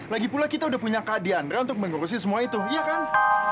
lagipula kita udah punya kadiandra untuk mengurusin semua itu iya kan